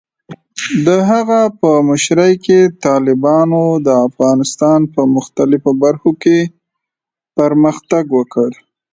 د هغه په مشرۍ کې، طالبانو د افغانستان په مختلفو برخو کې پرمختګ وکړ.